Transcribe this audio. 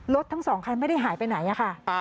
ทั้งสองคันไม่ได้หายไปไหนค่ะ